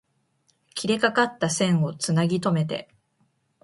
切れかかった線を繋ぎとめて